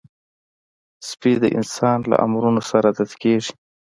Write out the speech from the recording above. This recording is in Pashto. سپي د انسان له امرونو سره عادت کېږي.